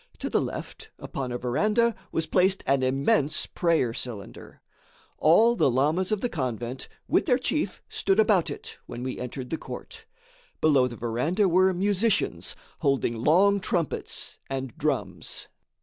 To the left, upon a verandah, was placed an immense prayer cylinder. All the lamas of the convent, with their chief, stood about it, when we entered the court. Below the verandah were musicians, holding long trumpets and drums.